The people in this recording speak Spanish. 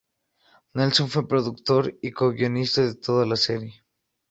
Nelson fue productor y co-guionista de toda la serie.